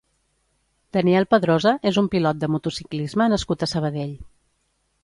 Daniel Pedrosa és un pilot de motociclisme nascut a Sabadell.